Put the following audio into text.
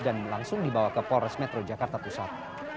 langsung dibawa ke polres metro jakarta pusat